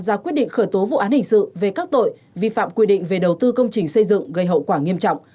ra quyết định khởi tố vụ án hình sự về các tội vi phạm quy định về đầu tư công trình xây dựng gây hậu quả nghiêm trọng